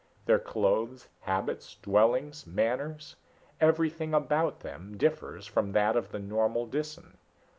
Their clothes, habits, dwellings, manners everything about them differs from that of the normal Disan.